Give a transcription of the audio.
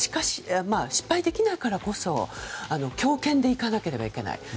失敗できないからこそ強権でいかなければいけない。